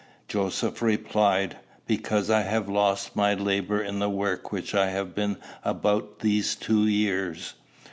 Joseph replied, Because I have lost my labor in the work which I have been about these two years.